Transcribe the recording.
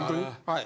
はい。